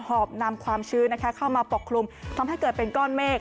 อบนำความชื้นเข้ามาปกคลุมทำให้เกิดเป็นก้อนเมฆ